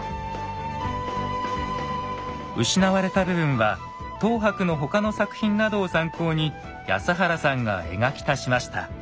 失われた部分は等伯の他の作品などを参考に安原さんが描き足しました。